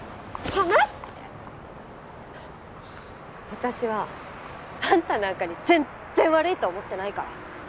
私はあんたなんかに全然悪いと思ってないから。